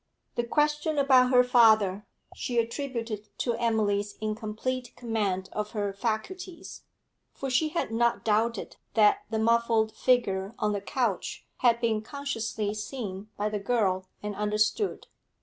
The question about her father, she attributed to Emily's incomplete command of her faculties, for she had not doubted that the muffled figure on the couch had been consciously seen by the girl and understood.